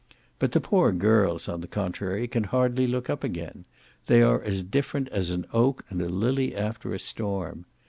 But the pour girls, on the contrary, can hardly look up again. They are as different as an oak and a lily after a storm.